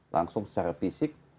langsung secara fisik